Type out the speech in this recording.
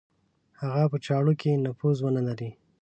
هغه په چارو کې نفوذ ونه لري.